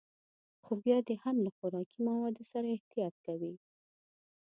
خو بيا دې هم له خوراکي موادو سره احتياط کوي.